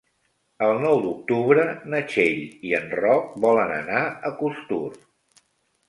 El nou d'octubre na Txell i en Roc volen anar a Costur.